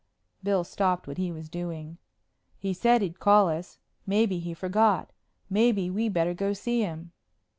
Bill stopped what he was doing. "He said he'd call us. Maybe he forgot. Maybe we better go see him."